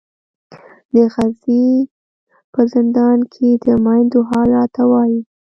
د غزې په زندان کې د میندو حال راته وایي.